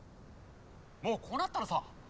もうこうなったらさあ